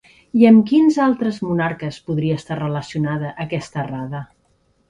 I amb quins altres monarques podria estar relacionada aquesta errada?